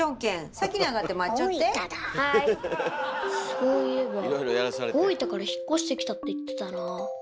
そういえば大分から引っ越してきたって言ってたなあ。